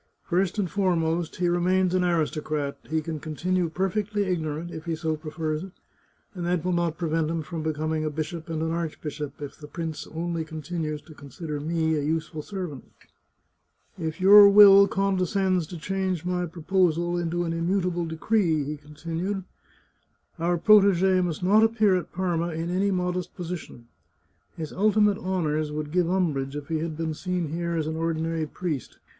First and fore most, he remains an aristocrat; he can continue perfectly ignorant if he so prefers it, and that will not prevent him from becoming a bishop and an archbishop if the prince only continues to consider me a useful servant. If your 124 The Chartreuse of Parma will condescends to change my proposal into an immutable decree," he continued, our protege must not appear at Parma in any modest position. His ultimate honours would give umbrage if he had been seen here as an ordinary priest.